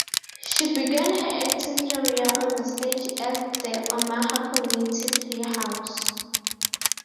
She began her acting career on the stage at the Omaha Community Playhouse.